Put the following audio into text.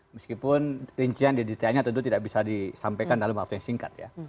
meskipun rincian di detailnya tentu tidak bisa disampaikan dalam waktu yang singkat ya